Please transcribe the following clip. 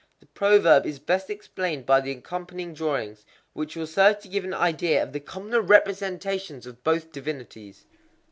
The proverb is best explained by the accompanying drawings, which will serve to give an idea of the commoner representations of both divinities.